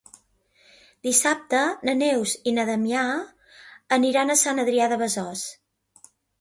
Dissabte na Neus i na Damià aniran a Sant Adrià de Besòs.